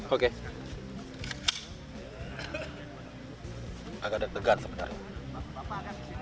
agak degar sebenarnya